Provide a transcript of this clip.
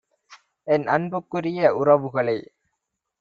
என் அன்புக்குரிய உறவுகளே